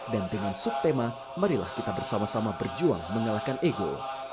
dan dengan sub tema marilah kita bersama sama berjuang mengalahkan ego